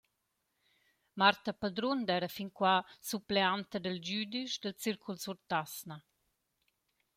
Marta Padrun d’eira fin qua suppleanta dal güdisch dal circul Sur Tasna.